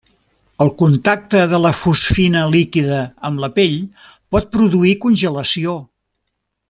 El contacte de la fosfina líquida amb la pell pot produir congelació.